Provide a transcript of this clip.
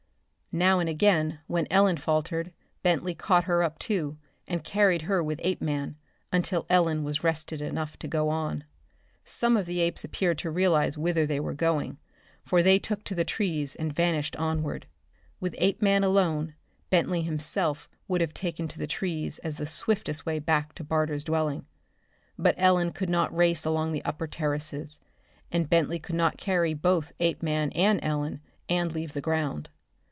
Now and again when Ellen faltered Bentley caught her up, too, and carried her with Apeman until Ellen was rested enough to go on. Some of the apes appeared to realize whither they were going, for they took to the trees and vanished onward. With Apeman alone, Bentley himself would have taken to the trees as the swiftest way back to Barter's dwelling. But Ellen could not race along the upper terraces, and Bentley could not carry both Apeman and Ellen and leave the ground.